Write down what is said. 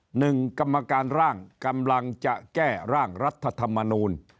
หนึ่งกรรมการร่างกำลังจะแก้ร่างรัฐธรรมนูล